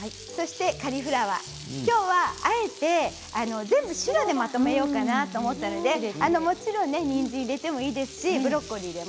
カリフラワー、今日はあえて全部、白でまとめようかなと思ったので、もちろんにんじんを入れてもいいですしブロッコリーでも。